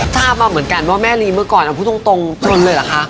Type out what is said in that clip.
ทราบมาเหมือนกันว่าแม่ลีเมื่อก่อนเอาพูดตรงตนเลยเหรอคะ